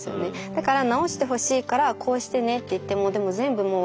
だから治してほしいから「こうしてね」って言ってもでも全部もう忘れちゃう。